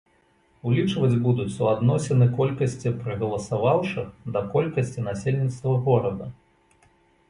Улічваць будуць суадносіны колькасці прагаласаваўшых да колькасці насельніцтва горада.